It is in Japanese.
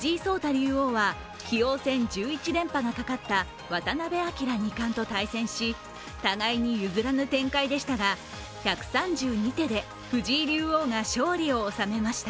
竜王は棋王戦１１連覇がかかった渡辺明二冠と対戦し互いに譲らぬ展開でしたが１３２手で藤井竜王が勝利を収めました。